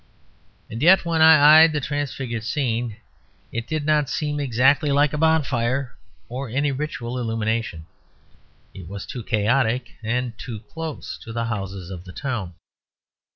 And yet when I eyed the transfigured scene it did not seem exactly like a bonfire or any ritual illumination. It was too chaotic, and too close to the houses of the town.